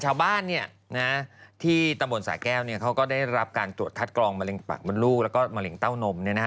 ชาวบ้านที่ตะบนสาแก้วเขาก็ได้รับการตรวจคัดกรองมะเร็งปักบนลูกและการตรวจคัดกรองมะเร็งเต้านม